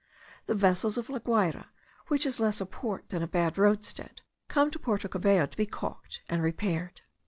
The vessels of La Guayra, which is less a port than a bad open roadstead, come to Porto Cabello to be caulked and repaired.